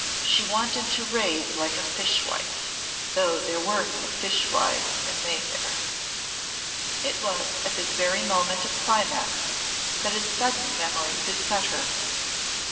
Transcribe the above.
She wanted to rave like a fishwife though there were no fishwives in Mayfair. It was at this very moment of climax that a sudden memory beset her.